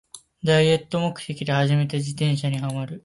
ダイエット目的で始めた自転車にハマる